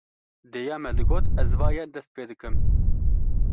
Dêya me digot: Ez va ye dest pê dikim